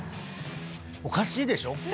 おかしいでしょ？